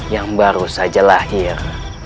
yang baru saja lahir